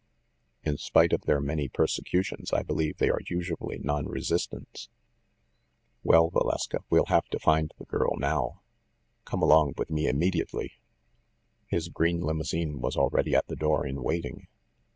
In spite of their many persecutions, I believe they are usually non resistants. Well, Valeska, we'll have to find the girl, now! Come along with me im mediately." His green limousine was already at the door in waiting.